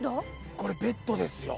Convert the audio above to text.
これベッドですよ。